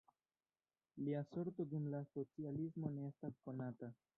Lia sorto dum la socialismo ne estas konata.